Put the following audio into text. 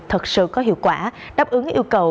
thật sự có hiệu quả đáp ứng yêu cầu